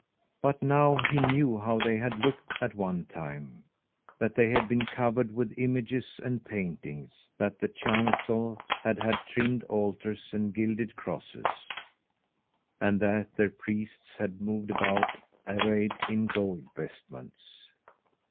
But now he knew how they had looked at one time; that they had been covered with images and paintings; that the chancel had had trimmed altars and gilded crosses, and that their priests had moved about, arrayed in gold vestments.